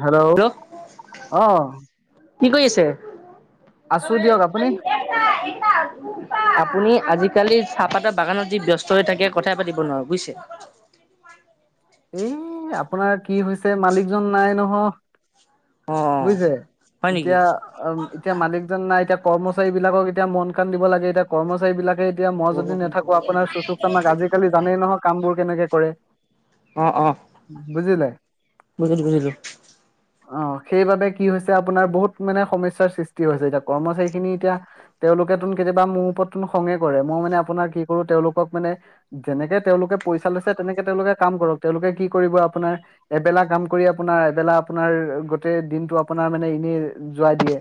Hello আহ কি কৰি আছে অ আপুনি আপুনি আজিকালি চাহপাতৰ বাগানত যি ব্যস্ত হৈ থাকে কথা পাতিব নোৱাৰো বুজিছে এই আপোনাৰ কি হৈছে মালিকজন নাই নহ অ', অ', বুজিছে হয় নেকি? এতিয়া এতিয়া মালিকজন নাই এতিয়া কৰ্মচাৰী বিলাকক এতিয়া মন কাণ দিব লাগে এতিয়া কৰ্মচাৰী বিলাকে এতিয়া মই যদি নাথাকো আপোনাৰ চুচু চামাক আজিকালি জানেই নহওক কাম বোৰ কেনেকে কৰে অ', অ', বুজিলে বুজিলো বুজিলো অ সেইবাবে কি হৈছে আপোনাৰ বহুত মানে সমস্যাৰ সৃষ্টি হৈছে এতিয়া কৰ্মচাৰী খিনি এতিয়া তেওঁলোকেত তোন কেতিয়াবা মোৰ ওপৰত তোন খঙে কৰে মই মানে আপোনাৰ কি কৰো তেওঁলোকক মানে যেনেকে তেওঁলোকে পইচা লৈছে তেনেকে তেওঁলোকে কাম কৰক তেওঁলোকে কি কৰিব আপোনাৰ এবেলা কাম কৰি আপোনাৰ এবেলা আপোনাৰ দিনটো আপোনাৰ মানে এনেই যোৱাই দিয়ে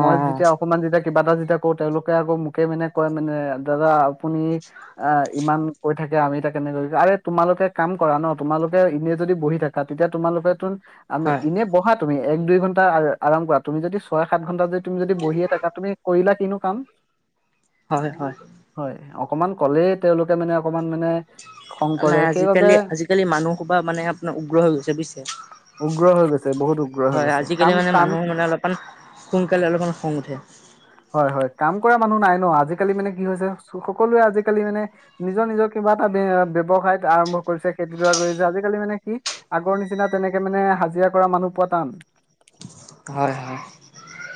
মই অ', যেতিয়া অকমান যেতিয়া কিবা এটা যেতিয়া কৰো তেওঁলোকে আকৌ মোকে মানে কয় মানে দাদা আপুনি আহ ইমান কৈ থাকে আমি এাক কেনেকৈ আৰে তোমালোকে কাম কৰা ন তোমালোকে এনে যদি বহি থাকা তেতিয়া তোমালোকে তোন আমি হয়। এনে বহা তুমি, এক দুই ঘণ্টা আৰাম কৰা, তুমি যদি চোৱা সাত ঘণ্টা য তমিদি বহিয়ে থাকা তুমি কৰিলা কিনো কাম হয় হয় অকণমান কলেই তেওঁলোকে মানে অকমান মানে খং কৰে নাই সেইবাবে আজিকালি আজিকালি মানুহ সোপা মানে আপোনাৰ উগ্ৰ হৈ গৈছে উগ্ৰ হৈ গৈছে বহুত বুজিছে। উগ্ৰ হৈ হয় গৈছে কাম আজিকালি মানে কাম মানুহৰ মানে অলপমান সোনকালে অলপমান খং উঠে। হয় হয় কাম মানুহ নাই নহ আজিকালি মানে কি হৈছে সকলোৱে আজিকালি মানে নিজৰ নিজৰ কিবা এটা ব্যৱসায়ত আৰম্ভ কৰিছে খেতিডৰা কৰিছে আজিকালি মানে কি আগৰ নিচিনা তেনেকে মানে হাজিৰা মানুহ পোৱা টান হয় হয়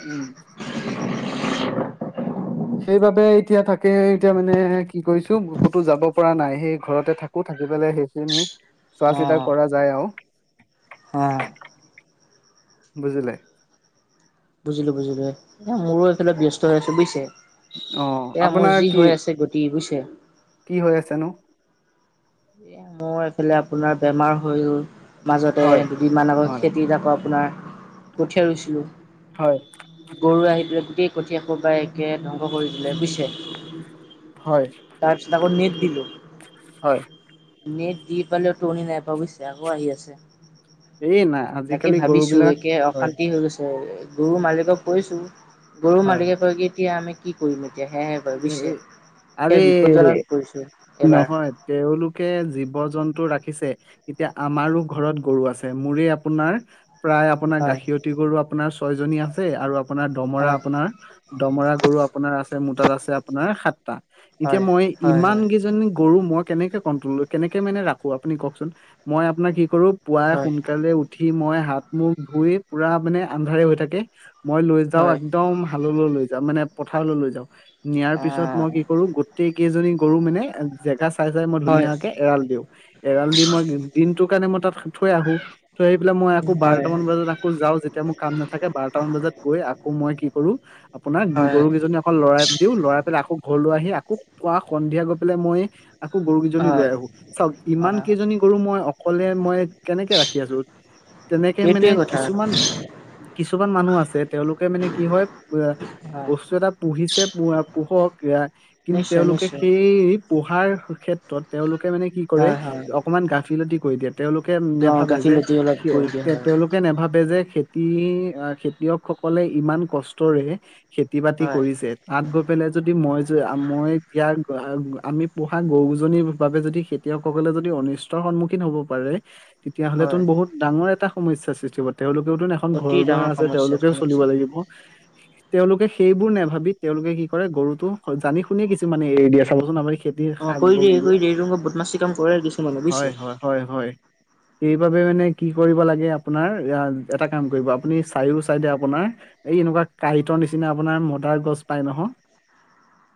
উম সেইবাবে এতিয়া থাকে এতিয়া মানে কি কৰিছোঁ ক'তো যাব পৰা নাই সেই ঘৰতে থাকো থাকি পেলাই সেইখিনি চোৱা চিতা কৰা যায় আৰু হ। বুজিলে বুজিলো বুজিলো, এই মোৰো এইফালে ব্যস্ত হৈ আছো বুজিছে। অক্ষ এয়া মোৰ আপোনাৰ যি কি হৈ আছে গতি বুজিছে কি হৈ আছেনো? এহ মোৰ এইফালে আপোনাৰ বেমাৰ হৈ গ'ল মাজতে হয় দুদিনমান আগত হয় খেতি আাকৌ আপোনাৰ কঠিয়া হয় ৰুইছিলোঁ গৰু আহি পেলা গোটেই কঠিয়াসোপা একে ধ্বংস কৰি দিলে বুইছে হয় তাৰপিছত আকৌ নিট [unintelligible] হয়। নেট দি পালেও টোৰনি নাই পোৱা বুজিছে আকৌ আহি আছে এই নাই আজিকালি গৰু বিলাক হয় গুৰু মালিকক কৈছো গৰু হয় মালিকে কয়, এতিয়া আমি কি কৰিব এতিয়া সেয়হে কয় এই বুজিছে, এইয়া আৰে বিপদজনক পৰিছো এইবাৰ। এহ‌ জীৱ- জন্তু ৰাখিছে এতিয়া আমাৰো ঘৰত গৰু আছে মোৰে আপোনাৰ প্ৰায় আপোনাৰ হয়, গাখিয়তি গৰু আপোনাৰ ছয় জনী আছে আৰু আপোনাৰ দমৰা হয়, আপোনাৰ দমৰা গৰু আপোনাৰ আছে মু তাত আছে আপোনাৰ সাতটা। এতিয়া হয়, মই হয়, ইমান হয়। কেইজনী গৰু মই কেনেকে কন্তল কেনেকে মানে ৰাখো আপুনি কওকচোন মই আপোনাক কৰো পুৱাই হয়, সোনকালে উঠি মই হাত মুখ ধুই পুৰা মানে আন্ধাৰে হৈ থাকে মই লৈ যাওঁ হয়, একদম হাললৈ লৈ যাওঁ। মানে, পথাৰলৈ লৈ যাওঁ নিয়াৰ পিছত মই অ', কি কৰো গোটেই কেইজনী কৰো মানে জেগা চাই চাই মই হয়, ধুনীয়াকে এৰাল দিওঁ এৰাল দিও দিনটো কাৰণে মই তাত থৈ আহোঁ। থৈ আহি পেলাই মই আকৌ হয়। বাৰটামান বজাত আকৌ যাওঁ যেতিয়া মোৰ কাম নাথাকে বাৰটামান বজাত গৈ আকৌ মই কি কৰো আপোনাৰ হয়, গৰু কেইজনী অকল লৰাই লৰাই পেলাই আকৌ ঘৰলৈ আহি আকৌ পোৱা সন্ধিয়া গৈ পেলাই মই আকৌ গৰু কেইজনী হয়, হয়, লৈ আহো চাওক ইমান হয়, কেইজনী গৰু মই অকলে মই কেনেকে ৰাখি আছো? তেনেকে সেইটোৱে মানে কথা আৰু। কিছুমান কিছুমান মানুহ আছে তেওঁলোকে মানে কি হয় হয়, বস্তু এটা পুহিছে মৰা পোহক কে কিন্তু নিশ্চয়, তেওঁলোকে নিশ্চয়। সেই পোহা [unintelligible] ৰ ক্ষেত্ৰত তেওঁলোক কে মানে কি কৰে, হয়, হয়, অকণমান গাফিলতি কৈ দিয়াত। তেওঁলোকে গ- নেভাৱে যে, গাফিলতি অলপ কৰি দিয়া হয়, তেওঁলোকে নেভাৱে যে খেতি খেতিয়ক সকলে ইমান কষ্টৰে, খেতি-বাতি হয়, কৰিছে। তাত গৈ পেলাই যদি মই-মই, আমি পোহা গৰুজনিৰ বাবে যদি খেতিয়কসকলে যদি অনিষ্টৰ সন্মুখীন হ'ব পাৰে তেতিয়া হ'লেটো হয়। বহুত ডাঙৰ এটা সমস্যা সৃষ্টি হ'ব। তেওঁলোকৰোটো এখন ঘৰ অতি দুৱাৰ ডাঙৰ আছে, সমস্যা, তেওঁলোকো চলিব সমস্যা। লাগিব। তেওঁলোকে সেইবোৰ নেভাৱি তেওঁলোকে কি কৰে, গৰুটো জানি শুনিয়ে কিছুমানে এৰি দিয়ে। চাবচোন আপুনি। অ', কৰি দিয়ে কৰি দিয়ে, এইবোৰ বদমাচি কাম কৰে আৰু কিছুমানে হয় বুজিছে। হয় হয় হয় সেইবাবে মানে কি কৰিব লাগে আপোনাৰ, এটা কাম কৰিবআপুনি চাৰিও চাইদে আপোনাৰ এই এনেকুৱা কাঁইটৰ নিচিনা আপোনাৰ মদাৰ গছ পাই নহয়।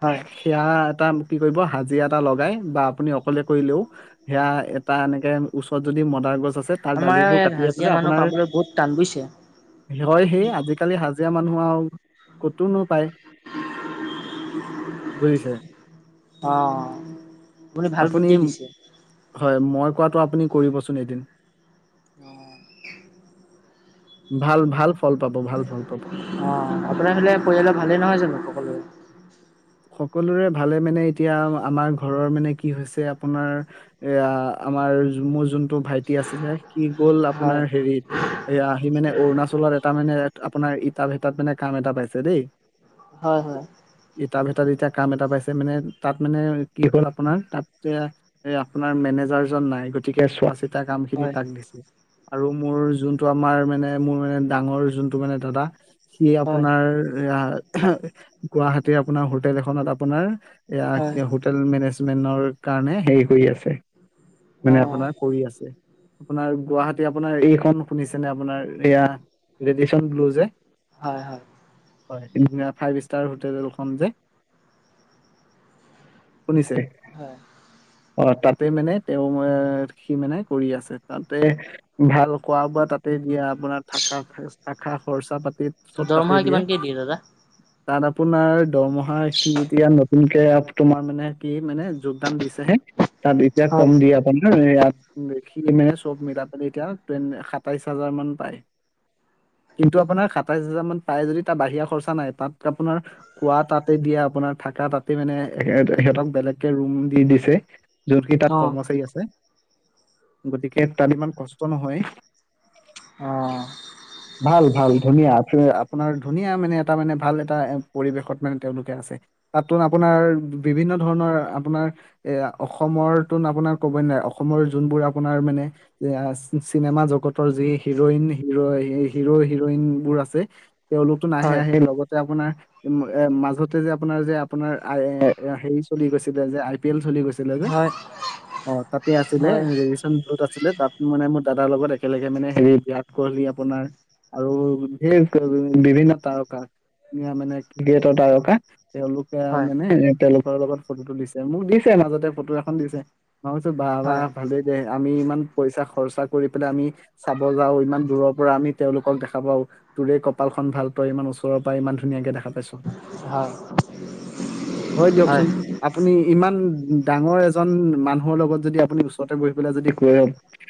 হয়। সেয়া এটা কি কৰিব, হাজিৰা এটা লগাই বা আপুনি অকলে কৰিলেও, সেয়া এটা এনেকে ওচৰত যদি মদাৰ গছ আছে, তাৰ আমাৰ দালিবোৰ ইয়াত কাটি হাজিৰা পেলায় মানুহ আপোনাৰ। পাবলৈ বহুত টান বুজিছে, হয় হে, আজিকালি হাজিৰা মানুহ আৰু ক'তো নাপায়। বুজিছে। অ', ভাল আপুনি? বুদ্ধি দিছে। হয় মই কোৱাটো আপুনি আপুনি কৰিবচোন এদিন! অ'। ভাল, ভাল ফল পাব অ', ভাল ফল আপোনাৰ পাব হ'লে? পৰিয়ালৰ ভালে নহয় জানো সকলোৰে? উ। [inaudible] সকলোৰে ভালে মানে, এতিয়া আমাৰ ঘৰৰ মানে কি হৈছে, আপোনাৰ এয়া আমাৰ--মোৰ যিটো ভাইটি আছিলে সি গ'ল হয়, আপোনাৰ হেৰিত। আহি মানে অৰুণাচলত এটা মানে আপোনাৰ ইটা ভাটাত মানে কাম এটা পাইছে, দেই। হয়, হয়। ইটা ভাটাত এতিয়া কাম এটা পাইছে মানে। তাত মানে, কি হ'ল আপোনাৰ, তাত মানে আপোনাৰ মেনেজাৰজন নাই গতিকে চোৱাচিতা ইটা কাম খিনি হয়, তাক দিছে। আৰু মোৰ যোনটো আমাৰ মানে, মোৰ মানে ডাঙৰ যোনটো মানে দাদা। সি হয়, আপোনাৰ গুৱাহাটী আপোনাৰ হোটেল এখনত আপোনাৰ হয়, ইে হোটেল মেনেজ কাৰণে হে হৈ আছে মানে অ', আপোনাৰ কৰি আছে আপোনাৰ গুৱাহাটী আপোনাৰ এইখন শুনিছেনে আপোনাৰ এইয়া ৰেডিয়েচন ব্লু যে হয় হয় হয় স ফাইভ ষ্টাৰ হোটেল খন যে শুনিছে হয়। অ তাত তাতে মানে তেওঁ সি মানে কৰি আছে তাতে ভাল খোৱা বোৱা তাতে দিয়া আপোনাৰ থ থাকা খৰচা পাতি চব তাতে দৰমহা কিমানকেই দিয়ে দাদা তাত আপোন দৰমহা সি এতিয়া তমকে তোমাৰ মানে কি মানে যোগদান দিছেহে তাত এতিয়া হয়। কম দিয়ে আপোনাৰ ইয়াত সি মনে চব মিলাই পিনি এতিয়া সাতাইশ হাজাৰ মান পায়। কিন্তু আপোনাৰ সাতাইশ হাজাৰ মান পাই যদিও তাৰ বাহিৰা খৰচা নাই, তাত আপোনাৰ কোৱা তাতে দিয়া আপোনাৰ থাকা তাতে মানে সহঁতক বেলেগকে ৰুম দি দিছে যত কি তাত অ'। কৰ্মচাৰী আছে গতিকে তাত ইমান কষ্ট নহয় অঁ ভাল ভাল ধুনীয়া আ আপোনাৰ ধুনীয়া মানে এটা মানে ভাল এটা পৰিৱেশত মানে তেওঁলোকে আছে। তাতটো আপোনাৰ বিভিন্ন ধৰণৰ আপোনাৰ এ অসমৰ তোন আপোনাৰ ক'ব নোৱাৰে অসমৰ যোনবোৰ আপোনাৰ মানে এ চিনেমা জগতৰ যি হিৰইন হিৰ হিৰো হিৰইন বোৰ আছে। তেওঁলোকতো নাহে হয়, আহে লগতে আপোনাৰ এ মাজতে যে আপোনাৰ যে আপোনাৰ আই এ হেৰি চলি গৈছিলে যে আই পি এল চলি গৈছিল হয়, অ তাতে আছিলে হয়, ৰেদিয়েচন টোত আছিলে তাত মানে মোৰ দাদাৰ লগত একেলগে মানে হেৰি বিৰাট কোহলি আপোনাৰ আৰুে বিভিন্ন তাৰকা মানে [unintelligible] তেওঁলোকে হয়, মানে তেওঁলোক ৰ লগত ফটো তুলিছে মোক দিছে মাজতে ফটো এখন দিছে মই কৈছোঁ বা বা হয়, ভালে দে। আমি ইমান পইচা খৰচা কৰি পেলাই আমি চাব যাও ইমান দূৰৰ পৰা আমি তেওঁলোকক দেখা পাও তোৰে কপাল খন ভাল পই ইমান ওচৰৰ পৰা ইমান ধুনীয়াকে দেখা পাওঁ হয়, হয় দিয়কচোন আপুনি ইমান। ডাঙৰ এজন মানুহৰ লগত যদি আপুনি ওচৰতে বহি পেলাই যদি কৈ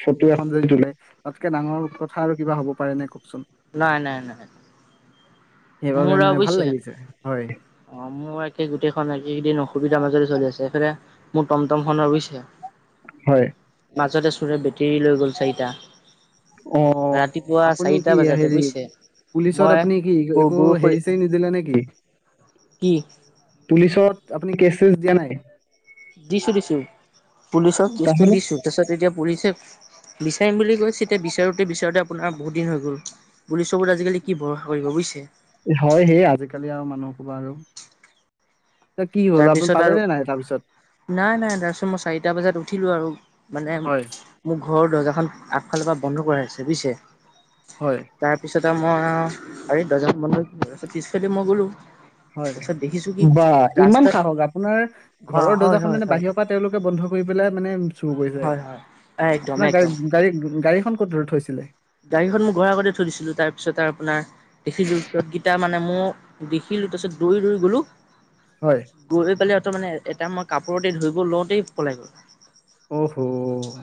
ফটো এখন যদি তোলে তাতকে ডাঙৰ কথা আৰু কিবা হ'ব পাৰে নে কওকচোন নাই নাই নাই সেইবাবে মোৰ আৰু মানে ভাল বুজিছে লাগিছে হয় অ মোৰ একে গোটেইখন একেইকেইদিন অসুবিধাৰ মাজত চলি আছে সেইফালে মোৰ টমটম খন ইছে হয়। মাজতে চোৰে বেটেৰী লৈ গ'ল চাৰিটা। অ ৰাতিপুৱা আপুনি চাৰিটা কি বজাতে হেৰি বুজিছে, পুলিচত মই আপুনি কি একো গ-গৰুসৰী হেৰি চেৰি নিদিলে নেকি? কি পুলিচত আপুনি কেছ চেছ দিয়া নাই। দিছোঁ দিছোঁ, পুলিচক কেছটো তাহলে দিছোঁ, তাৰপিছত এতিয়া পুলিচে বিচাৰিম বুলি কৈছে, এতিয়া বিচাৰোঁতে বিচাৰোঁতে আপোনাৰ বহুত দিন হৈ গ'ল, পুলিক আজিকালি কি ভৰসা কৰিব বুজিছে। হয় সেই আজিকালি আৰু মানুহ কবা আৰু। এতিয়া কি হ'ল আপুনি তাৰপিছত পালে আৰু নে নাই তাৰপিছত নাই নাই তাৰপিছত মই চাৰিটা বজাত উঠিলো আৰু মানে হয় মোৰ ঘৰৰ দৰ্জাখন আগফালৰ পৰা বন্ধ কৰাই আছে বুইছে। হয় তাৰপিছত ত মই আও দৰ্জা বন্ধৰ পিছফালে দি মই গ'লো। হয় তাৰপিছত দেখিছো কি বা। ইমান ৰাস্তাত সাহস আপোনাৰ বা ঘৰৰ হয় দৰ্জাখন হয় মানে হয় বাহিৰৰ পৰা তেওঁলোকে বন্ধ কৰি পেলাই মানে উম চুৰ কৰিছে হয় হয় একদম আপোনাৰ গা একদম গাড়ী গাড়ী খন দূৰত থৈছিলে। গাড়ীখন মোৰ ঘৰ আগতে থৈ দিছিলো তাৰপিছত আৰু আপোনাৰ দেখিলো খোজ গিতা মানে মানে মই দেখিলোঁ তাৰপিছত দৌৰি দৌৰি গ'লোঁ হয় গৈ পেলাই ত মানে এটা মই কাপোৰতে ধুইব লওঁতেই পলাই গ'ল। অহ হ।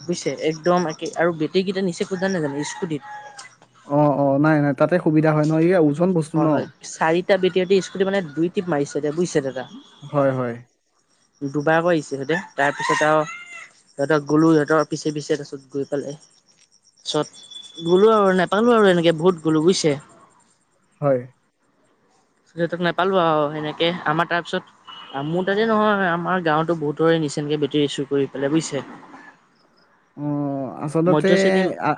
বুজিছে একদম একেই আৰু বেটাৰীকেইটা নিচেখুলব নাজানে। সুদীপ অ অ নাই নাই তাতে সুবিধা হয় ন। ‌এইয়া হয় হয় চাৰিটা বেটিয়ে দি স্কুটি মানে দুই টিপ মাৰিছে বুজিছে দাদা। হয় হয় দুবাৰকৈ আহিছে সিহঁতে তাৰ পিছত আৰু সিহঁতক গ'লো সিহঁতৰ পিছে পিছে তাৰপছত গৈ পালে তাৰপিছত গলো আৰু নাপালো আৰু এনেকে বহুত গলোঁ বুজিছে। হয় হঁতক নাপালো আৰু সেনেকে আমাৰ তাৰপিছত মোৰ তাতে নহয় আমাৰ গাঁৱতো বহুতৰে নিচে এনেকে বেটেৰী চুৰি কৰি পেলাই বুজিছে। অ আচলতে মধ্য শ্ৰেণী আ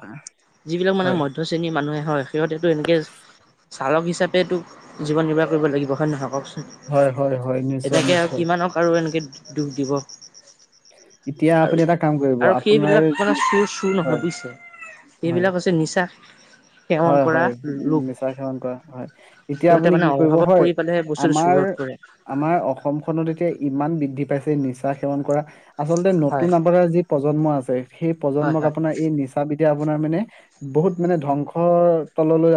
যিবিলাক মানে হয় মধ্য শ্ৰেণীৰ মানুহে- হয় সিহঁতেটো এনেকে চালক হিচাপেটো জীৱন নিৰ্বাহ কৰিব লাগিব হয় নহক ককচোন হয় হয় হয় নিশ্চয় এনেকে আৰু নিশ্চয় কিমানক আৰু এনেকে দুখ দিব। এতিয়া আপুনি আৰু এটা কাম কৰিব আৰু আপোনাৰ সেইবিলাক যি কৰা চুৰ চুৰ নহয় হয় বুইছে হয় সেইবিলাক হৈছে নিচা সেৱন হয় কৰা হয় লোক নিচা সেৱন কৰা হয় এতিয়া সিহঁতে আপুনি মানে কি কৰিব অভাৱত হয় পৰি পেলাই সেই বস্তুটো আমাৰ চুৰত কৰে আমাৰ অসমখনত এতিয়া ইমান দি পাইছে নিচা সেৱন কৰা আচলতে হয় নতুন আপাৰাৰ যি প্ৰজন্ম আছে সেই হয় প্ৰজন্মক হয় আপোনাৰ এই নিচা এতিয়া আপোনাৰ মানে বহুত মানে ধ্বংস তললৈ লৈ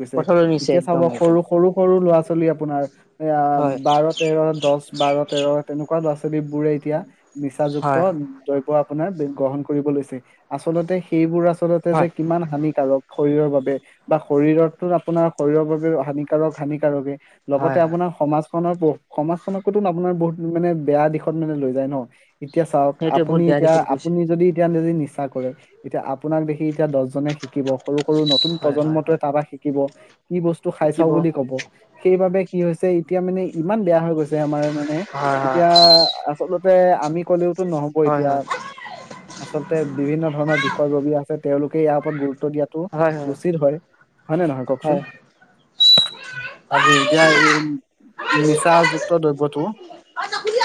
গৈছে পথলৈ নিছে এতিয়া চাব একদম একদম সৰু সৰু সৰু ল'ৰা ছালী লি আপোনাৰ এয়া হয় বাৰ তেৰ দহ বাৰ তেৰ তেনেকুৱাত আছে দ্বপ বুৰে এতিয়া নিচাযুক্ত হয় দৈৱ। আপোনাৰ গ্ৰহণ কৰিব লৈছে আচলতে সেইবোৰ আচ আচলতে যে হয় কিমান হানিকাৰক শৰীৰৰ বাবে বা শৰীৰতটো আপোনাৰ শৰীৰৰ বাবে হানিকাৰক হানিকাৰকে লগতে হয় হয় আপোনাৰ সমাজ নৰ সমাজখনকতো আপোনাৰ বহুত মানে বেয়া দিশত মানে লৈ যায় ন এতিয়া চাওক সেইটোৱে বহুত আপুনি বেয়া এতিয়া দিশত গৈছে আপুনি যদি এতিয়া নিদি নি ইচ্া কৰে এতিয়া আপোনাক দেখি এতিয়া দহজনে শিকিব সৰু সৰু নতুন হয় হয় প্ৰজন্মটোৱে হয় তাৰপা পৰা শিকিব কি বস্তু খাই চাও শিকিব বুলি কব সেইবাবে ই হৈছে এতিয়া মানে। ইমান বেয়া হৈ গৈছে আমাৰ মানে হয় হয় এতিয়া আচলতে। আমি কলেওতো নহব হয় এতিয়া আচলতে বিভিন্ন ধৰণৰ বিষয়ববী আছে তেওঁলোক ইয় গুৰুত্ব দিয়া উচিত হয় হয় নে নহয় কওকচোন আজি এতিয়া এই নিচাযুক্ত দ্ৰব্যটো হয় হয়